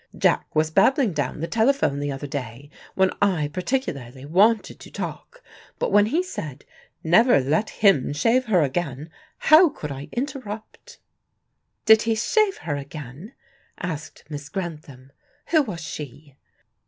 Jack was babbling down the telephone the other day, when I particularly wanted to talk, but when he said 'Never let him shave her again,' how could I interrupt?" "Did he shave her again?" asked Miss Grantham. "Who was she?"